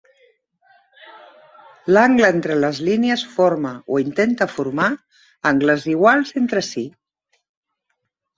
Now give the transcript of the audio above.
L'angle entre les línies forma, o intenta formar, angles iguals entre si.